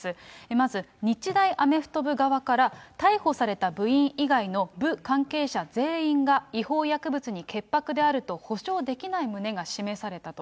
まず、日大アメフト部側から、逮捕された部員以外の部関係者全員が違法薬物に潔白であると保証できない旨が示されたと。